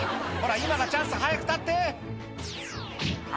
今がチャンス早く立ってあ